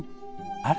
あれ？